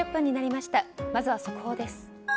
まずは速報です。